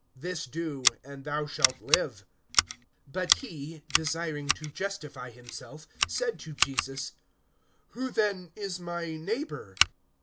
This do, and thou shalt live. (29)But he, desiring to justify himself, said to Jesus: Who then is my neighbor?